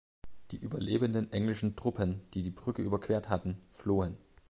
Die überlebenden englischen Truppen, die die Brücke überquert hatten, flohen.